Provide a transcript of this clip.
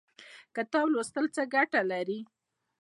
کتاب لوستل څه ګټه لري؟